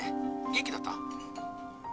元気だった？